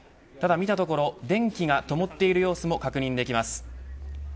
見たところ電気が灯っている様子も確認できます。